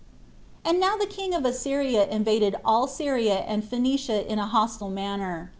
2. And now the king of Assyria invaded all Syria and Phoenicia in a hostile manner.